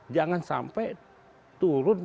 jangan sampai turun